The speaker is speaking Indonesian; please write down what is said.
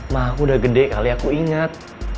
ma aku udah gede kali aku inget